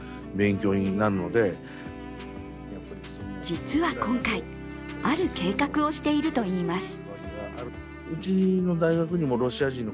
実は今回、ある計画をしているといいます。